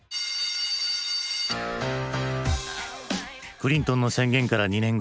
クリントンの宣言から２年後。